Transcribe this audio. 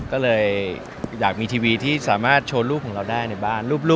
ก็เลยอยากมีทีวีที่สามารถโชว์รูปของเราได้ในบ้าน